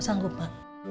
ya sanggup ma